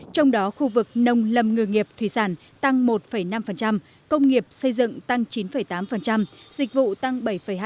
trong đó khu vực nông lâm ngư nghiệp thủy sản tăng một năm công nghiệp xây dựng tăng chín tám dịch vụ tăng bảy hai